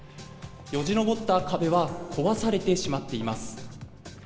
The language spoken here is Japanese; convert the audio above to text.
よじ登った壁は壊されてしまっています。